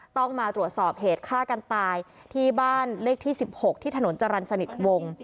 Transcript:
ต้องมาตรวจสอบเหตุฆ่ากันตายที่บ้านเลขที่๑๖ที่ถนนจรรย์สนิทวง